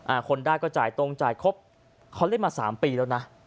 คนได้ก็จ่ายตรงจ่ายครบเขาเล่นมาสามปีแล้วนะ